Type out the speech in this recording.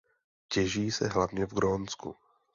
Těží se hlavně v Grónsku.